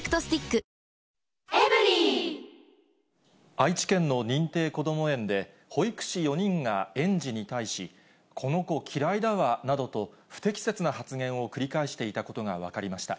愛知県の認定こども園で、保育士４人が園児に対し、この子、嫌いだわなどと不適切な発言を繰り返していたことが分かりました。